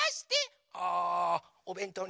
あおべんとうね。